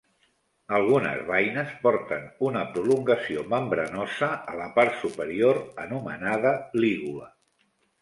Algunes beines porten una prolongació membranosa a la part superior anomenada lígula.